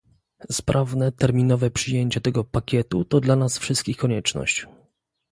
Sprawne, terminowe przyjęcie tego pakietu to dla nas wszystkich konieczność